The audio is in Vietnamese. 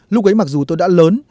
lúc ấy mặc dù tôi đã lớn